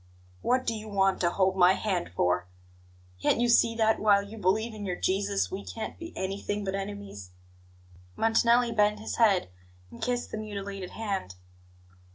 What do you want to hold my hand for? Can't you see that while you believe in your Jesus we can't be anything but enemies?" Montanelli bent his head and kissed the mutilated hand.